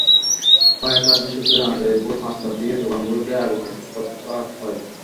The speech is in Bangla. ফায়ার সার্ভিস সূত্রে জানা যায়, ভোর পাঁচটার দিকে দোকানগুলোতে আগুনের সূত্রপাত হয়।